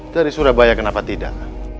dari surabaya kenapa tidak